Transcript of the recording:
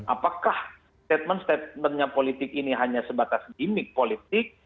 apakah statement statementnya politik ini hanya sebatas gimmick politik